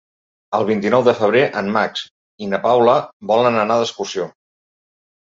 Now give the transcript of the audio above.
El vint-i-nou de febrer en Max i na Paula volen anar d'excursió.